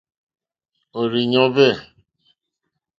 Òrzìɲɔ́ hwɛ̂.